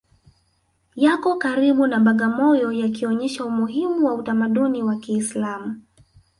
Yako karibu na Bagamoyo yakionyesha umuhimu wa utamaduni wa Kiislamu